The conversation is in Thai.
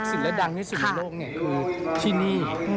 ที่สักศิลป์และดังที่สุดในโลกก็คือที่นี้